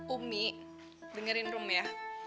umi dengerin rum ya